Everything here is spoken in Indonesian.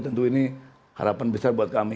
tentu ini harapan besar buat kami